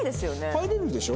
入れるでしょ？